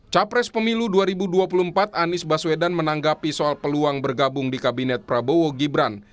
capres pemilu dua ribu dua puluh empat anies baswedan menanggapi soal peluang bergabung di kabinet prabowo gibran